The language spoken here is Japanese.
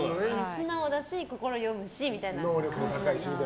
素直だし心読むしみたいな感じ。